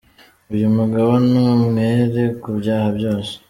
Uyu mugabo ni umwere ku byaha byose.”